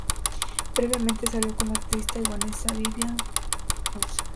Brevemente salió con la actriz taiwanesa Vivian Hsu.